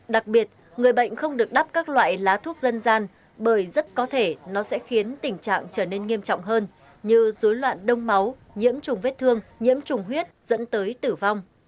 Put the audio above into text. đặc biệt người bệnh không được đắp các loại lá thuốc dân gian bởi rất có thể nó sẽ khiến tình trạng trở nên nghiêm trọng hơn như rối loạn đông máu nhiễm trùng vết thương nhiễm trùng huyết dẫn tới tử vong